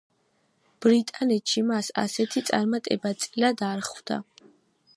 ბრიტანეთში მას ასეთი წარმატება წილად არ ხვდა.